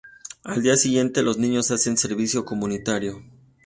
Al día siguiente, los niños hacen servicio comunitario.